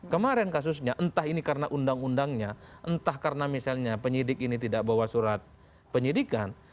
kemarin kasusnya entah ini karena undang undangnya entah karena misalnya penyidik ini tidak bawa surat penyidikan